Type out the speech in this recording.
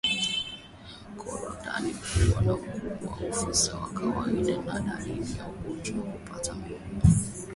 Korodani kuwa na ukubwa usio wa kawaida ni dalili ya ugonjwa wa kutupa mimba